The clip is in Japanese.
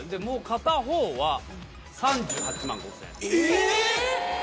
もう片方は。